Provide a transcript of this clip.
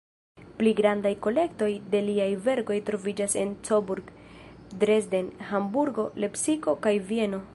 Pli grandaj kolektoj de liaj verkoj troviĝas en Coburg, Dresden, Hamburgo, Lepsiko kaj Vieno.